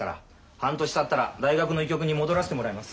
半年たったら大学の医局に戻らせてもらいます。